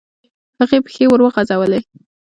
هغې پښې وروغځولې.